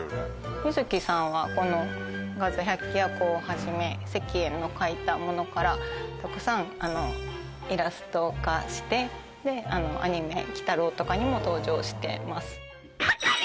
水木さんはこの「画図百鬼夜行」をはじめ石燕の描いたものからたくさんイラスト化してアニメ「鬼太郎」とかにも登場してますかかれ！